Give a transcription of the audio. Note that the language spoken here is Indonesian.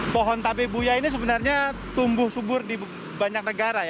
pohon tabi buia ini sebenarnya tumbuh subur di banyak negara